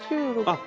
あっ！